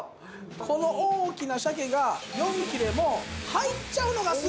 この大きな鮭が４切れも入っちゃうのがすごいでしょって。